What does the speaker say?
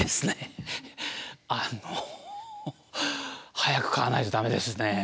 あの早く買わないと駄目ですね。